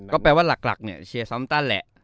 ก็แปลว่าหลักเนี่ยเชียร์ซ้อมตันแหละ